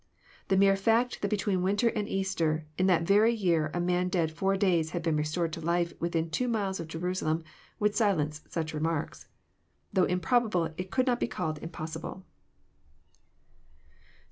The mere fact that between winter and Easter in that very year a man dead four days had been restored to life within two miles of Jerusalem would silence such remarks. Though improbable, it could not be called impossible.